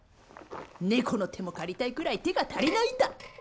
ネコの手も借りたいくらい手が足りないんだ！